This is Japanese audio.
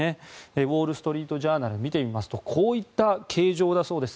ウォール・ストリート・ジャーナルを見てみますとこういった形状だそうです。